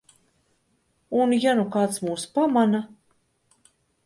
Un ja nu kāds mūs pamana?